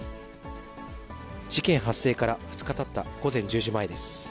事件発生から２日たった午前１０時前です。